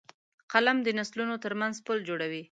قلم د نسلونو ترمنځ پُل جوړوي